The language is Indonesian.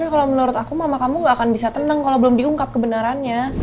kalau menurut aku mama kamu gak akan bisa tenang kalau belum diungkap kebenarannya